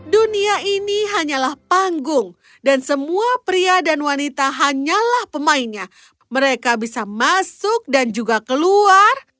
dunia ini hanyalah panggung dan semua pria dan wanita hanyalah pemainnya mereka bisa masuk dan juga keluar